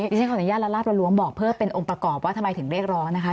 ดิฉันขออนุญาตรับบอกเพื่อเป็นองค์ประกอบว่าทำไมถึงเรียกร้อนนะคะ